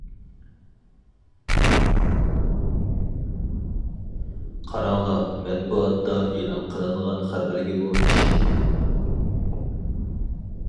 قاراڭلا مەتبۇئاتتا ئېلان قىلىنغان خەۋەرگىمۇ ئىشەنمىدى.